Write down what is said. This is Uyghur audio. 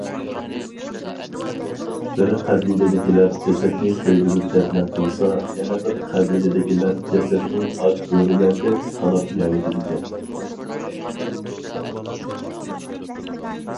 بىر قەبىلىدىكىلەر جەسەتنى كۆيدۈرۈپ دەپنە قىلسا، يەنە بىر قەبىلىدىكىلەر جەسەتنى ئاچ بۆرىلەردەك تالاپ يەۋېتىدىكەن.